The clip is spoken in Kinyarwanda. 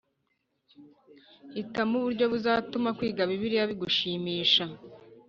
Hitamo uburyo buzatuma kwiga Bibiliya bigushimisha